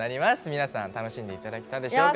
皆さん楽しんでいただけたでしょうか。